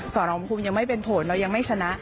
สอนองคุมยังไม่เป็นผลเรายังไม่ชนะ